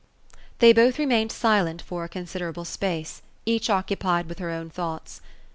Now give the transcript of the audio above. They both remained silent for a considerable space ; each occupied with her own thoughta.